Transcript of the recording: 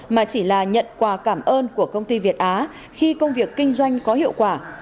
mà chỉ là nhận quà cảm ơn của công ty việt á khi công việc kinh doanh có hiệu quả